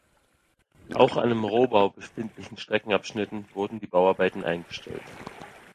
Auch an im Rohbau befindlichen Streckenabschnitten wurden die Bauarbeiten eingestellt.